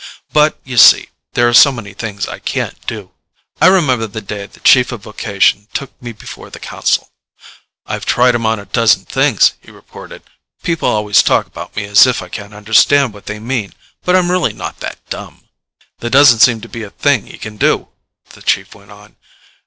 But, you see, there are so many things I can't do. I remember the day the Chief of Vocation took me before the council. "I've tried him on a dozen things," he reported. People always talk about me as if I can't understand what they mean. But I'm really not that dumb. "There doesn't seem to be a thing he can do," the Chief went on.